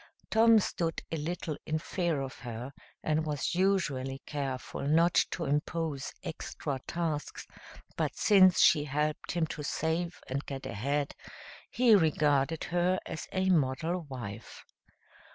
Tom stood a little in fear of her, and was usually careful not to impose extra tasks, but since she helped him to save and get ahead, he regarded her as a model wife.